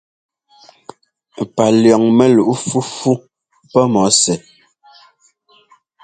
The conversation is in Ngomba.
Palʉ̈ɔŋ mɛluꞋ fúfú pɔ́ mɔ sɛ́.